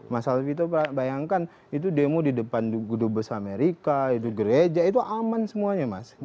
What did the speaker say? mas alvito bayangkan itu demo di depan gudubes amerika itu gereja itu aman semuanya mas